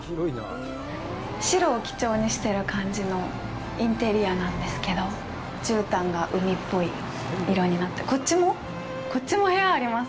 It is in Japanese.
白を基調にしてる感じのインテリアなんですけどじゅうたんが海っぽい色になってこっちもこっちも部屋あります